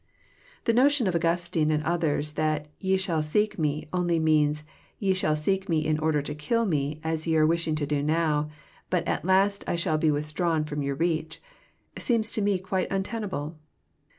The notion of Augustine and others that << ye shall seek Me " only means *' ye shall seek Me in order to kill Me, as ye are wishing to do now, but at last I shall be withdrawn tvom your reach,'* — seems to me quite untenable.